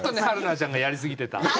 春菜ちゃんがやりすぎてた。